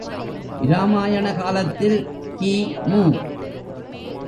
இராமாயண காலத்தில் கி.மு.